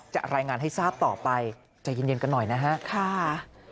รายงานให้ทราบต่อไปใจเย็นกันหน่อยนะฮะ